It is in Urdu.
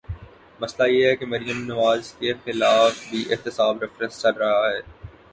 مسئلہ یہ ہے کہ مریم نواز کے خلاف بھی احتساب ریفرنس چل رہا ہے۔